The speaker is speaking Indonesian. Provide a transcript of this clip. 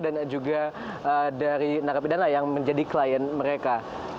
dan juga dari narapidana yang menjadi klien mereka